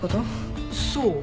そう。